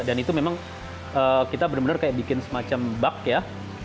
dan itu memang kita benar benar kayak bikin semacam bug ya